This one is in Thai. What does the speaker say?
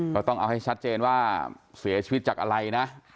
ก็ต้องเอาให้ชัดเจนว่าเสียชีวิตจากอะไรนะ